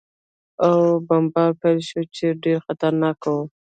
او بمبار پېل شو، چې ډېر خطرناک و.